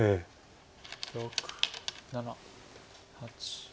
６７８。